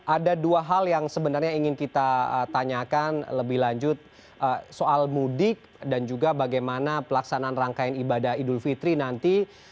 ada dua hal yang sebenarnya ingin kita tanyakan lebih lanjut soal mudik dan juga bagaimana pelaksanaan rangkaian ibadah idul fitri nanti